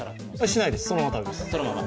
しないです、そのまま食べます。